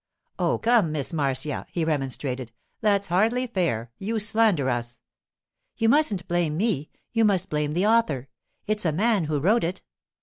'Oh, come, Miss Marcia,' he remonstrated. 'That's hardly fair; you slander us.' 'You mustn't blame me—you must blame the author. It's a man who wrote it.